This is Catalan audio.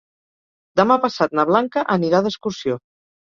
Demà passat na Blanca anirà d'excursió.